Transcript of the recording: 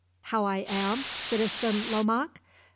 "How I am, Citizen Lomaque?